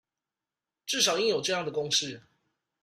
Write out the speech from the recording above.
至少應有這樣的共識